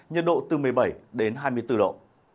nhiệt độ từ một mươi bảy đến hai mươi bốn độ